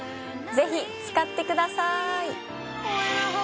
ぜひ使ってください！